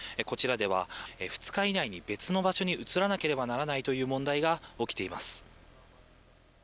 こちらでは２日以内に別の場所に移らなければならないという問題が起きています。